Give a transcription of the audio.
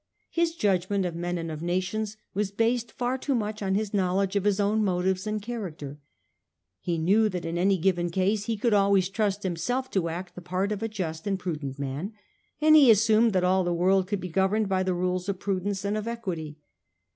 His judgment of men and of nations was based far too much on his knowledge of his own motives and character. He knew that in any given case he could, always trust himself to act the part of a just and prudent man; and he assumed that all the world could be governed by the rules of prudence and of equity.